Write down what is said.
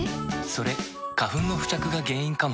それ花粉の付着が原因かも。